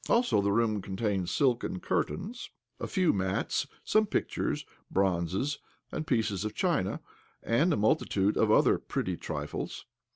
Also the room contained silken curtains, a few mats, some pictures, bronzes, and pieces of china, and a multitude of other pretty trifles.